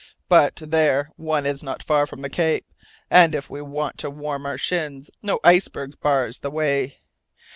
But there one is not far from the Cape, and if we want to warm our shins, no iceberg bars the way.